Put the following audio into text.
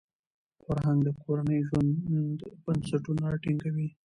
فرهنګ د کورني ژوند بنسټونه ټینګوي.